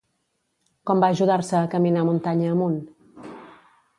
Com va ajudar-se a caminar muntanya amunt?